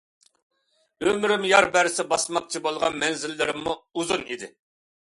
ئۆمرۈم يار بەرسە باسماقچى بولغان مەنزىلىممۇ ئۇزۇن ئىدى.